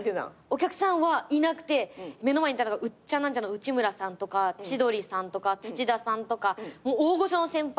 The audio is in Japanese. お客さんはいなくて目の前にいたのがウッチャンナンチャンの内村さんとか千鳥さんとか土田さんとか大御所の先輩と。